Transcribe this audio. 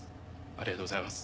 ありがとうございます。